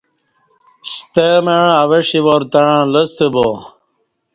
ستمع اوݜی وار تݩع لستہ با